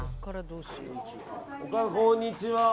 こんにちは。